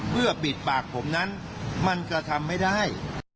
เพื่อปิดปากผมนั้นมันกระทำไม่ได้